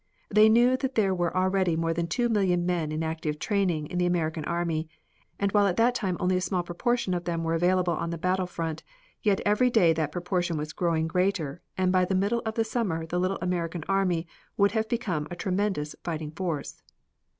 They knew that there were already more than two million men in active training in the American army, and while at that time only a small proportion of them were available on the battle front, yet every day that proportion was growing greater and by the middle of the summer the little American army would have become a tremendous fighting force.